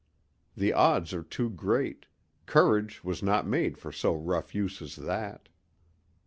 The odds are too great—courage was not made for so rough use as that.